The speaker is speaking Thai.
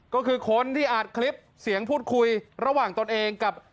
ก็คือคนที่อัดคลิปเสียงพูดคุยระหว่างตนเองกับ